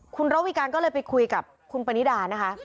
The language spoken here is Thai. คุณระวิการก็เลยไปคุยกับคุณปณิดานะคะ